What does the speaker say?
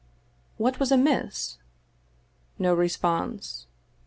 What was amiss? No response.